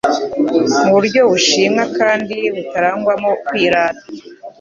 Mu buryo bushimwa kandi butarangwamo kwirata,